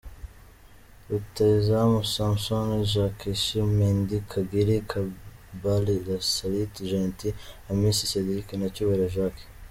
Rutahizamu : Samson Jakeshi, Meddie Kagere, Kambale Salita Gentil , Hamissi Cedric na Cyubahiro Jacques ;.